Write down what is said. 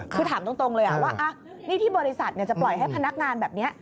คือถามตรงเลยว่านี่ที่บริษัทจะปล่อยให้พนักงานแบบนี้